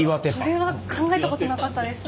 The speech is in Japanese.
それは考えたことなかったですね。